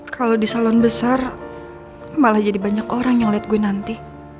kalau di salon besar malah jadi banyak orang yang melihat gue nanti